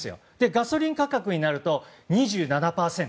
ガソリン価格になると２７％と。